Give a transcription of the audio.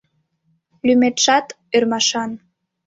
Лӱметшат ӧрмашан.